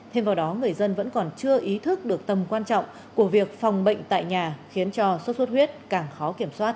thêm vào đó người dân vẫn còn chưa ý thức được tầm quan trọng của việc phòng bệnh tại nhà khiến cho sốt xuất huyết càng khó kiểm soát